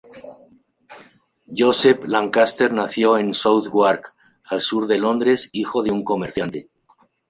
Joseph Lancaster nació en Southwark, al sur de Londres, hijo de un comerciante.